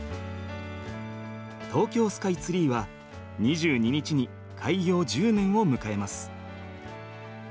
東京スカイツリーは２２日に開業１０年を迎えます。